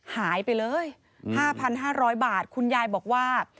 หายไปเลย๕๕๐๐บาทคุณยายบอกว่า